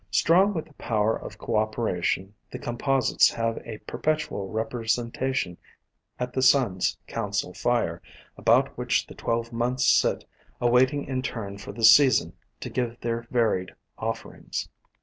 Strong with the power of cooperation, the Composites have a perpetual representation at the A COMPOSITE FAMILY 245 Sun's council fire, about which the twelve months sit awaiting in turn for the season to give their varied offerings.